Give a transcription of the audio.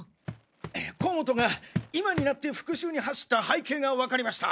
甲本が今になって復讐に走った背景が分かりました！